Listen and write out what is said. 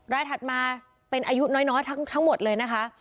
ถัดมาเป็นอายุน้อยทั้งหมดเลยนะคะ